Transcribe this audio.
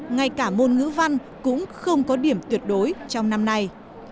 ngay cả môn ngữ văn cũng không có điểm tuyệt đối trong năm nay